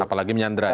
apalagi menyandra ya